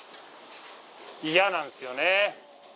嫌なんですよね。